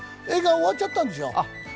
映画、終わっちゃったんですよ。